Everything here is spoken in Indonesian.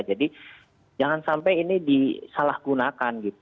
jadi jangan sampai ini disalahgunakan gitu